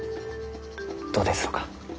どうですろうか？